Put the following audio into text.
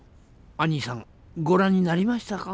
アニーさんご覧になりましたか？